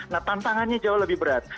nah tantangannya jauh lebih berat